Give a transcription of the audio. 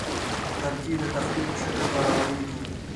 لرګی د تختې په شکل برابریږي.